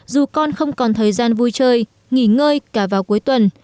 dù con không còn thời gian vui chơi nghỉ ngơi cả vào cuối tuần